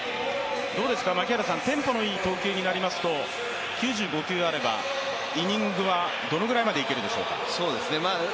どうですか、テンポのいい投球になりますと９５球あればイニングはどのくらいまでいけるでしょうか？